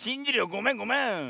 ごめんごめん。